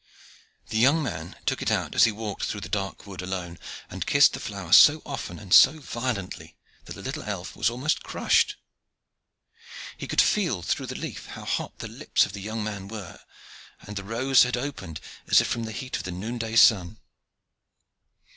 The young man took it out as he walked through the dark wood alone, and kissed the flower so often and so violently, that the little elf was almost crushed. He could feel through the leaf how hot the lips of the young man were, and the rose had opened, as if from the heat of the noonday sun.